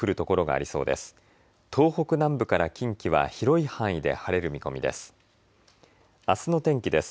あすの天気です。